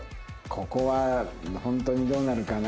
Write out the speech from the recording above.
ここはホントにどうなるかね。